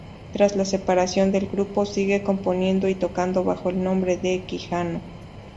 Tras la separación del grupo, sigue componiendo y tocando, bajo el nombre de "Quijano".